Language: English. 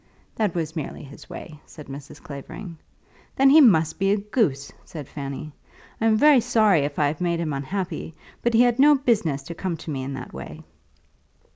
"That was merely his way," said Mrs. Clavering. "Then he must be a goose," said Fanny. "I am very sorry if I have made him unhappy, but he had no business to come to me in that way."